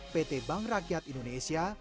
pt bank rakyat indonesia